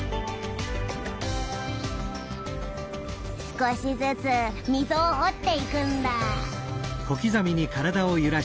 「少しずつ溝を掘っていくんだ」。